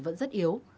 vẫn rất yếu